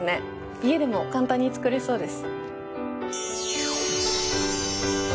家でも簡単に作れそうです。